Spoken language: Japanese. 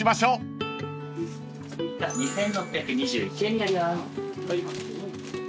２，６２１円になります。